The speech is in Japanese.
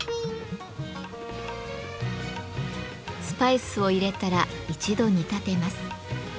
スパイスを入れたら一度煮立てます。